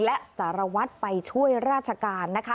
และสารวัตรไปช่วยราชการนะคะ